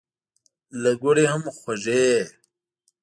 له ګوړې هم خوږې.